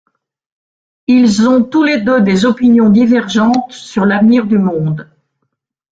Ils ont tous les deux des opinions divergentes sur l'avenir du monde.